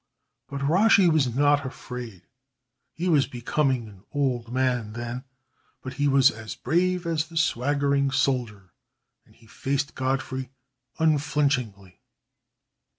But Rashi was not afraid. He was becoming an old man then, but he was as brave as the swaggering soldier, and he faced Godfrey unflinchingly.